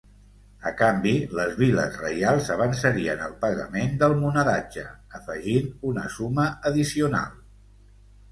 A canvi, les viles reials avançarien el pagament del monedatge, afegint una suma addicional.